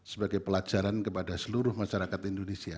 sebagai pelajaran kepada seluruh masyarakat indonesia